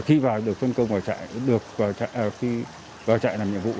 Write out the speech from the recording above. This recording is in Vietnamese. khi vào trại làm nhiệm vụ